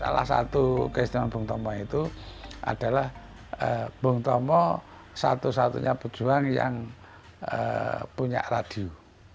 salah satu keistirahatan bung tomo itu adalah bung tomo satu satunya pejuang yang punya radio